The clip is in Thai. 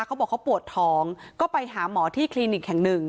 เขาบอกเขาปวดท้องก็ไปหาหมอที่คลินิกแห่งหนึ่ง